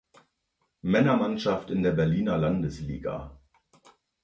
Männermannschaft in der Berliner Landesliga.